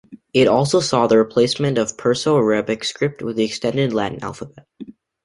It also saw the replacement of the Perso-Arabic script with the extended Latin alphabet.